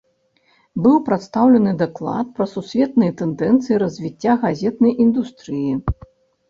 Быў прадстаўлены даклад пра сусветныя тэндэнцыі развіцця газетнай індустрыі.